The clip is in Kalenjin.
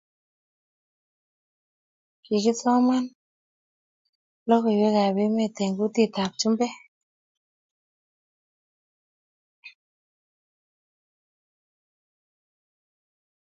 Kikikosman Lokiwek ab emet eng' Kutit ab chumbeek